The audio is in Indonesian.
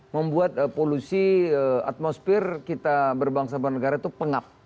membuat polusi atmosfer kita berbangsa bangsa negara itu pengap